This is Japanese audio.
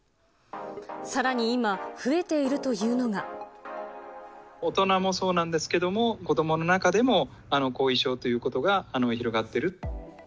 さらに今、増えているという大人もそうなんですけども、子どもの中でも後遺症ということが広がっている。